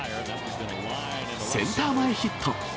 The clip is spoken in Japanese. センター前ヒット。